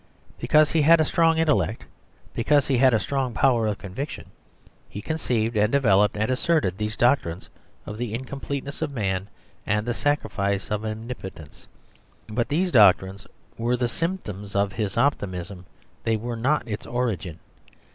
Because he had a strong intellect, because he had a strong power of conviction, he conceived and developed and asserted these doctrines of the incompleteness of Man and the sacrifice of Omnipotence. But these doctrines were the symptoms of his optimism, they were not its origin.